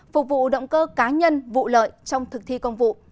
phục vụ động cơ cá nhân vụ lợi trong thực thi công vụ